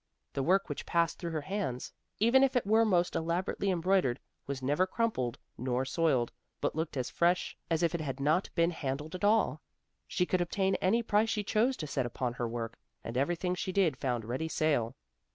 The work which passed through her hands, even if it were most elaborately embroidered, was never crumpled nor soiled, but looked as fresh as if it had not been handled at all. She could obtain any price she chose to set upon her work, and everything she did found ready sale.